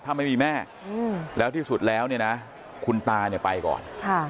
ถ้าไม่มีแม่แล้วที่สุดแล้วเนี่ยนะคุณตาเนี่ยไปก่อน